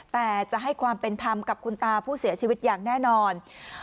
แต่จะให้ความเป็นธรรมกับคุณตาผู้เสียชีวิตอย่างแน่นอน